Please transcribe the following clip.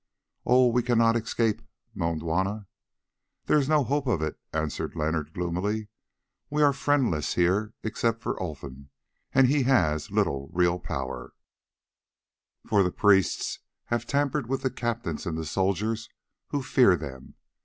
"Oh! can we not escape?" moaned Juanna. "There is no hope of it," answered Leonard gloomily. "We are friendless here except for Olfan, and he has little real power, for the priests have tampered with the captains and the soldiers who fear them.